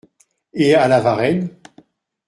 Et à La Varenne ?